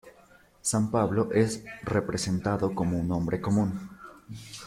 San Pablo es representado como un hombre común.